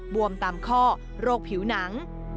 วมตามข้อโรคผิวหนัง